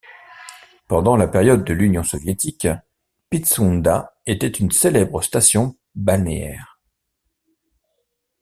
Pendant la période de l'Union soviétique, Pitsounda était une célèbre station balnéaire.